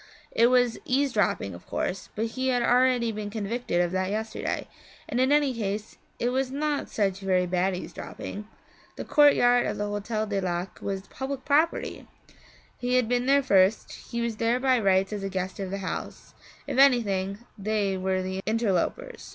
It was eavesdropping of course, but he had already been convicted of that yesterday, and in any case it was not such very bad eavesdropping. The courtyard of the Hotel du Lac was public property; he had been there first, he was there by rights as a guest of the house; if anything, they were the interlopers.